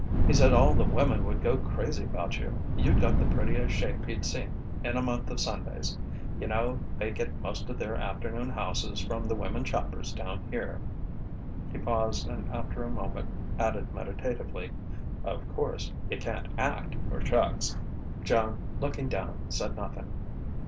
He said all the women would go crazy about you you'd got the prettiest shape he'd seen in a month of Sundays. Yunno they get most of their afternoon houses from the women shoppers down here." He paused and after a moment added meditatively: "Of course, you can't act for shucks." Joan, looking down, said nothing.